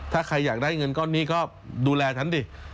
ถ้าใครอยากได้เงินก้อนนี้ก็ดูแลฉันดิ